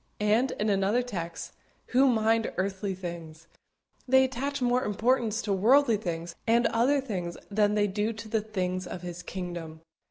And, in another text: "Who mind earthly things." They attach more importance to worldly things and other things than they do to the things of His kingdom.